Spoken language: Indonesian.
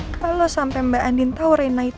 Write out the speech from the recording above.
kalo sampe mbak andin tau